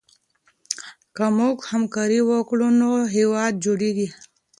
که موږ همکاري وکړو نو هېواد جوړېږي.